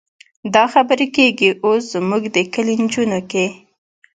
دا خبرې کېږي اوس زموږ د کلي نجونو کې.